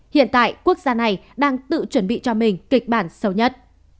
hiện tại quốc gia này đang tự chuẩn bị cho mình kịch bản sâu nhất